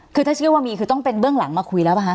คือถ้าเชื่อว่ามีคือต้องเป็นเบื้องหลังมาคุยแล้วป่ะค